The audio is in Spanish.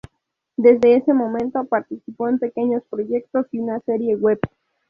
Desde ese momento participó en pequeños proyectos y una serie web.